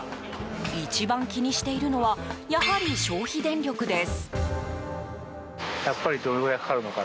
一番気にしているのはやはり消費電力です。